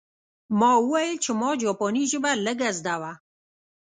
ما وویل چې ما جاپاني ژبه لږه زده وه